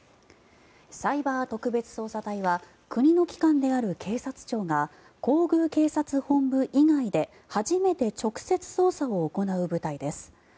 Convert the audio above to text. サイバー特別捜査隊は国の機関である警察庁が皇宮警察本部以外で初めて直接捜査を行う部隊です。